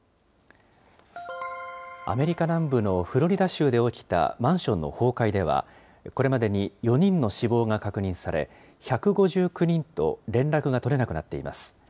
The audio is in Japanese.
アメリカ南部のフロリダ州で起きたマンションの崩壊では、これまでに４人の死亡が確認され、１５９人と連絡が取れなくなっています。